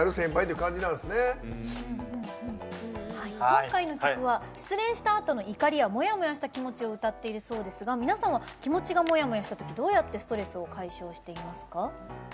今回の曲は失恋したあとの怒りや、もやもやした気持ちを歌っているそうですが皆さんは気持ちがもやもやしたときどうやってストレスを解消していますか？